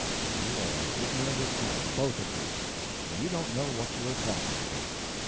You are as ignorant as cats, both of you, and you don't know what you are talking about.